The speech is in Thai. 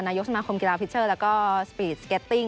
นายกสมาคมกีฬาพิชเชอร์แล้วก็สปีดสเก็ตติ้ง